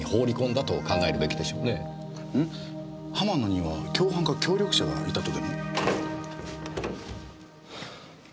浜野には共犯か協力者がいたとでも？